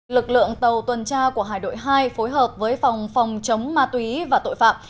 lực lượng tàu tuần tra của hải đội hai phối hợp với phòng phòng chống ma túy và tội phạm